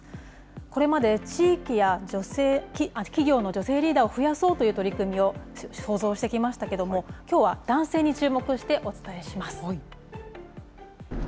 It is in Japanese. これまで地域や企業の女性リーダーを増やそうという取り組みを放送してきましたけれども、きょうは男性に注目してお伝えします。